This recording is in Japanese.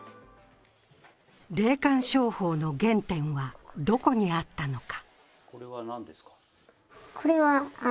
霊感商法の原点はどこにあったのか。